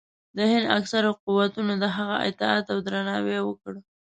د هند اکثرو قوتونو د هغه اطاعت او درناوی وکړ.